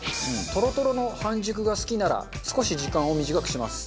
トロトロの半熟が好きなら少し時間を短くします。